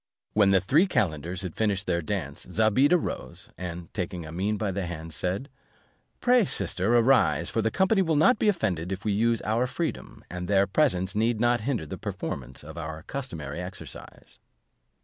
When the three calenders had finished their dance, Zobeide arose, and taking Amene by the hand, said, "Pray, sister, arise, for the company will not be offended if we use our freedom, and their presence need not hinder the performance of our customary exercise."